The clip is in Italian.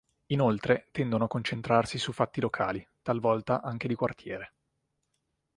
Inoltre tendono a concentrarsi su fatti locali, talvolta anche di quartiere.